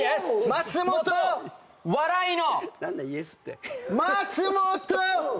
松本笑いの！